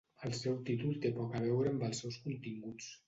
El seu títol té poc a veure amb els seus continguts.